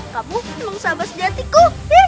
kamu memang sahabat sejati kok